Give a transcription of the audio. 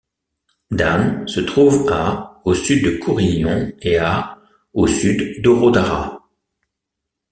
Dan se trouve à au sud de Kourinion et à au sud d'Orodara.